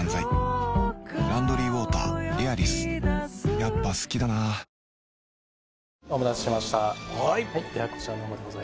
やっぱ好きだなお待たせしました。